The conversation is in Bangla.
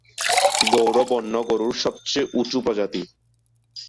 গৌর বন্য গরুর সবচেয়ে উঁচু প্রজাতি।